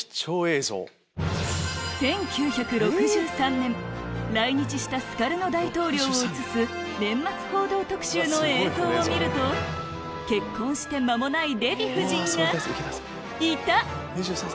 １９６３年来日したスカルノ大統領を映す年末報道特集の映像を見ると結婚して間もないデヴィ夫人がいた！